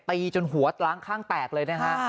ตีจนหัวล้างข้างแตกเลยนะฮะ